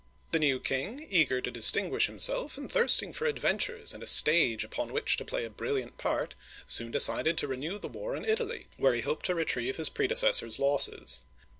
The new king, eager to distinguish himself and thirsting for adventures and a stage upon which to play a brilliant part, soon decided to renew the war in Italy, where he hoped to retrieve his predecessor's losses.